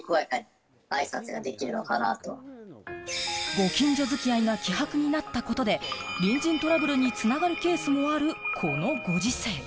ご近所づきあいが希薄になったことで、隣人トラブルに繋がるケースもあるこのご時世。